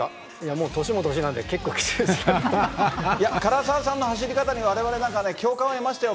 もう、年も年なんで結構、唐沢さんの走り方に、われわれなんかね、共感を得ましたよ。